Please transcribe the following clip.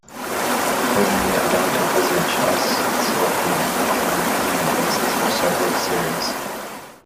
Certainly I don't envisage us selecting anyone on a permanent basis for several series.